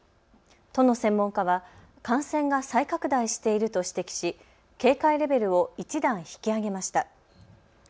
都の専門家は感染が再拡大していると指摘し警戒レベルを１段引き上げました。